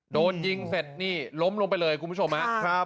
โดนยิงเสร็จนี่ล้มลงไปเลยคุณผู้ชมครับ